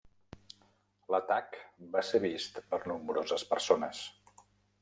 L'atac va ser vist per nombroses persones.